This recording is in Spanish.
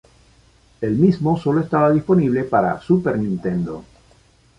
El mismo solo estaba disponible para Super Nintendo.